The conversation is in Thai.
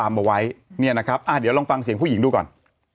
อะเดี๋ยวลองฟังเสียงผู้หญิงดูก่อน